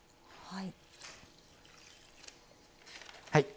はい。